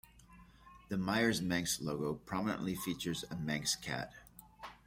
The Meyers Manx logo prominently features a Manx cat.